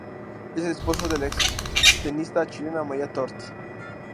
Es el esposo de la extenista chilena María Tort.